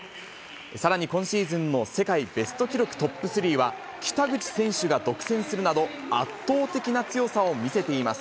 さらに今シーズンの世界ベスト記録トップ３は北口選手が独占するなど、圧倒的な強さを見せています。